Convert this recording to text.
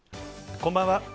こんばんは。